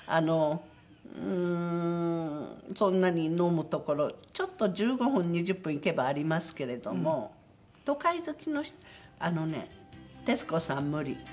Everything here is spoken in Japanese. うーんそんなに飲むところちょっと１５分２０分行けばありますけれども都会好きの人あのね徹子さんは無理。